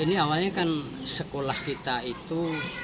ini awalnya kan sekolah kita itu